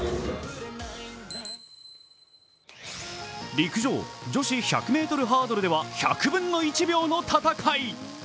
陸上女子１００ｍハードルでは１００分の１秒の戦い。